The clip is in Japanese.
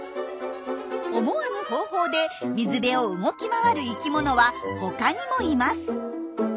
思わぬ方法で水辺を動き回る生きものは他にもいます。